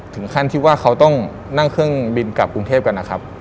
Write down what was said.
ถึงขั้นที่ว่าเขาต้องนั่งเครื่องบินกลับกรุงเทพกันนะครับ